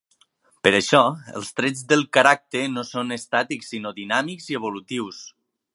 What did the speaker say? Per això, els trets del caràcter no són estàtics sinó dinàmics i evolutius.